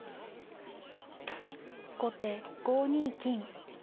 後手５二金。